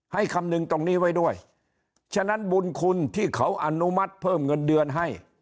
คำนึงตรงนี้ไว้ด้วยฉะนั้นบุญคุณที่เขาอนุมัติเพิ่มเงินเดือนให้